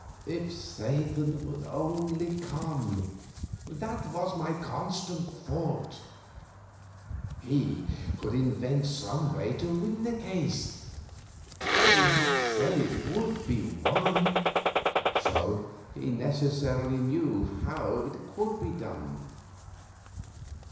If Satan would only come! That was my constant thought. He could invent some way to win the case; for he had said it would be won, so he necessarily knew how it could be done.